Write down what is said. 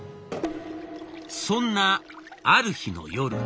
そんなある日の夜。